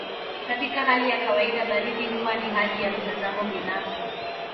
Katika hali ya kawaida baridi huwa ni hali ya mtazamo binafsi.